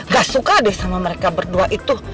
gak suka deh sama mereka berdua itu